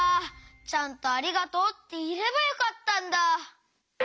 ちゃんと「ありがとう」っていえればよかったんだ。